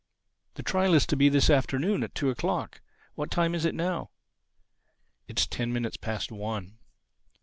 The trial is to be this afternoon at two o'clock. What time is it now?" "It's ten minutes past one."